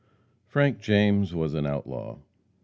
Frank James was an outlaw.